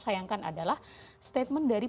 sayangkan adalah statement dari